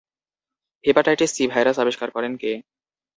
Hepatitis C virus আবিষ্কার করেন কে?